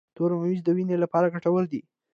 تور ممیز د وینې لپاره ګټور دي.